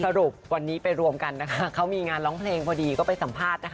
สรุปวันนี้ไปรวมกันนะคะเขามีงานร้องเพลงพอดีก็ไปสัมภาษณ์นะคะ